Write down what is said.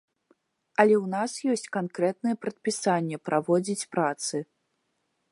Але ў нас ёсць канкрэтнае прадпісанне праводзіць працы.